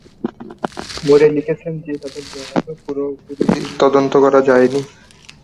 মোরে লিখেছেন যে তাদের জ্ঞান এখনও পুরোপুরি তদন্ত করা যায়নি।